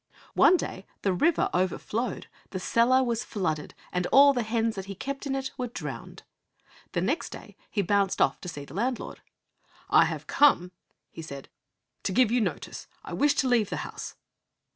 One day the river overflowed, the cellar was flooded, and all the hens that he kept in it were drowned. The next day he bounced off to see the landlord. 'I have come,' he said, 'to give you notice. I wish to leave the house.'